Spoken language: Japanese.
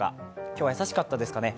今日は優しかったですかね。